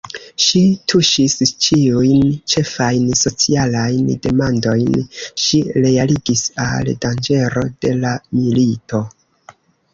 Ŝi tuŝis ĉiujn ĉefajn socialajn demandojn, ŝi reagis al danĝero de la milito.